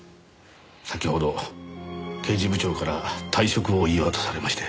先ほど刑事部長から退職を言い渡されまして。